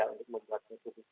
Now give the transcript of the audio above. yang saya sampaikan dulu saja